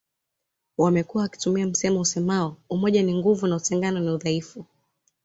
Wamekuwa wakitumia msemo usemao umoja ni nguvu na utengano ni udhaifu